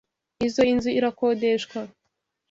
Izoi nzu irakodeshwa.